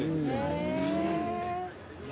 へえ。